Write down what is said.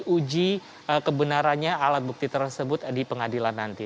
jadi uji kebenarannya alat bukti tersebut di pengadilan nanti